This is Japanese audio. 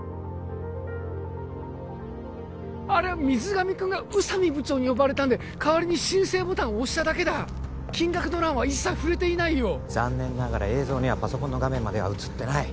あれは水上くんが宇佐美部長に呼ばれたんでかわりに申請ボタンを押しただけだ金額の欄は一切触れていないよ残念ながら映像にはパソコンの画面までは映ってない